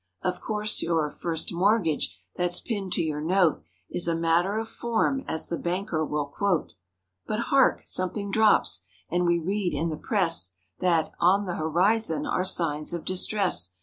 Of course your "First Mortgage" that's pinned to your note. Is "a matter of form" as the banker will quote. But hark! Something drops! and we read in the press That "On the horizon are signs of distress!"